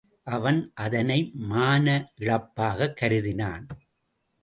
அவன் அதனை மான இழப்பாகக் கருதினான்.